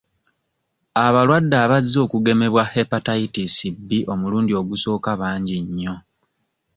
Abalwadde abazze okugemebwa Hepatitis B omulundi ogusooka bangi nnyo.